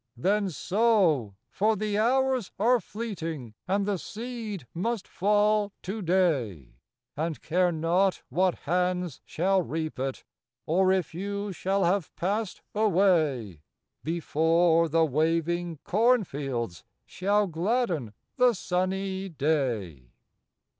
Then sow ;— for the hours are fleeting, And the seed must fall to day; And care not what hands shall reap it, Or if you shall have passed away Before the waving corn fields Shall gladden the sunny day.